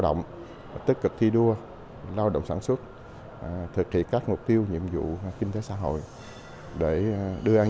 động tích cực thi đua lao động sản xuất thực hiện các mục tiêu nhiệm vụ kinh tế xã hội để đưa an